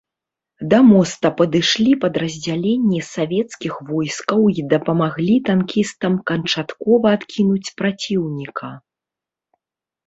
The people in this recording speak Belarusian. Да моста падышлі падраздзяленні савецкіх войскаў і дапамаглі танкістам канчаткова адкінуць праціўніка.